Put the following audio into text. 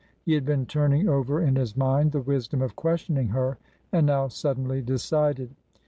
He had been turning over in his mind the wisdom of questioning her, and now suddenly decided.